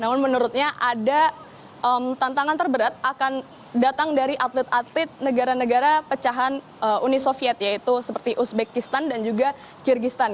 namun menurutnya ada tantangan terberat akan datang dari atlet atlet negara negara pecahan uni soviet yaitu seperti uzbekistan dan juga kyrgyzstan